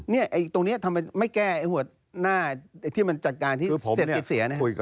เนี่ยตรงนี้ทำไมไม่แก้หัวหน้าที่มันจัดการที่เสร็จติดเสียเนี่ย